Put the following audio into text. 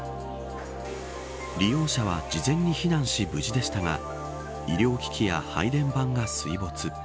利用者は事前に避難し無事でしたが医療機器や配電盤が水没。